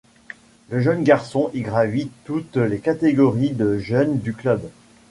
Le jeune garçon y gravit toutes les catégories de jeunes du club.